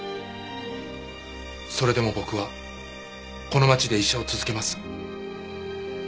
それでも僕はこの町で医者を続けます。